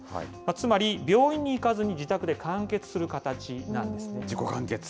つまり病院に行かずに自宅で完結する形なんですね。